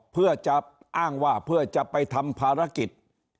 เพื่อจะอ้างว่าเพื่อจะไปทำภารกิจ